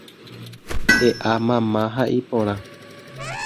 E'a mama ha iporã